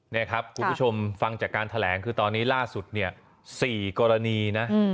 นี่ครับคุณผู้ชมฟังจากการแถลงคือตอนนี้ล่าสุดเนี่ย๔กรณีนะ